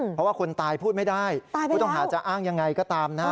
เพราะว่าคนตายพูดไม่ได้ผู้ต้องหาจะอ้างยังไงก็ตามนะฮะ